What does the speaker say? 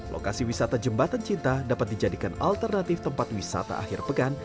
lokasi wisata jembatan cinta dapat dijadikan alternatif untuk pengunjung yang berpengalaman